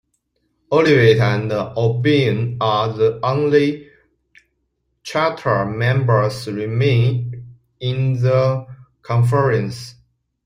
Olivet and Albion are the only charter members remaining in the conference.